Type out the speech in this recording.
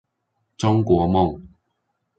中國夢